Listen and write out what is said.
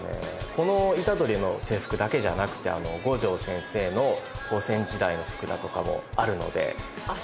この虎杖の制服だけじゃなくて五条先生の高専時代の服だとかもあるので。